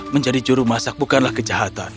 menjadi jurumasak bukanlah kejahatan